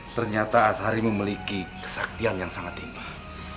ternyata asari memiliki kesaktian yang sangat limbah